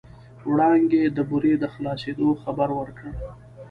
وړانګې د بورې د خلاصېدو خبر ورکړ.